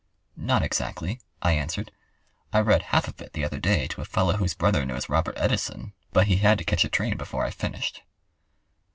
"Not exactly," I answered. "I read half of it the other day to a fellow whose brother knows Robert Edeson; but he had to catch a train before I finished."